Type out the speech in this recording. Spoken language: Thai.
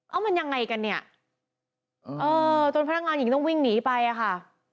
เอามันยังไงกันเนี่ยเออจนพนักงานหญิงต้องวิ่งหนีไปอ่ะค่ะ